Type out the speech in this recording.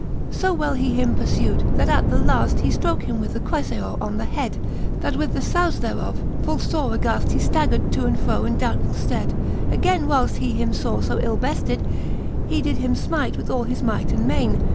XXIII. So well he him purfew'd, that at the lafl:. He ftroke him with Chryfaor on the hed, That with the fbule thereof full fore aghaft:^ He ftaggered to and fro in doubtfull fted, Againe whiles he him faw fb ill befted, He did him finite with all his might and maine.